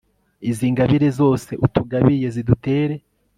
izi ngabire zose utugabiye, zidutere